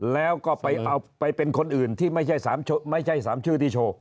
แล้วก็ไปเอาไปเป็นคนอื่นที่ไม่ใช่๓ชื่อที่โชว์